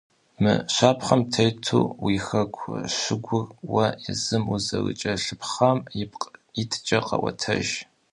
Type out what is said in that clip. Мы щапхъэм тету уи хэку щыгур уэ езым узэрыкӀэлъыплъам ипкъ иткӀэ къэӀуэтэж.